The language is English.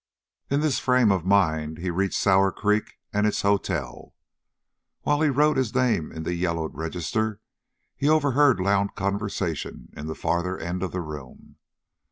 In this frame of mind he reached Sour Creek and its hotel. While he wrote his name in the yellowed register he over heard loud conversation in the farther end of the room.